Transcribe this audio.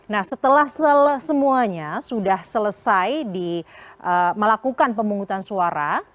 nah setelah semuanya sudah selesai melakukan pemungutan suara